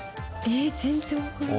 全然分からない。